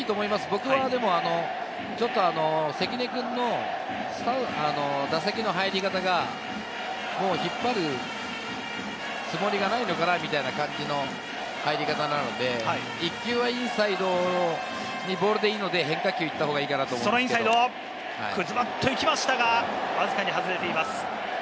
僕は関根くんの打席の入り方が、引っ張るつもりがないのかなみたいな感じの入り方なので、１球はインサイドにボールでいいので変化球を行った方がいいかなずばっと行きましたが、わずかに外れています。